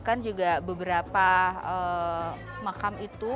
kan juga beberapa makam itu